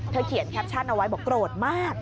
เขียนแคปชั่นเอาไว้บอกโกรธมาก